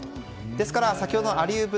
ですから先ほどのアリウープ